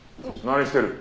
何してる？